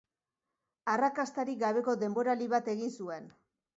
Arrakastarik gabeko denboraldi bat egin zuen.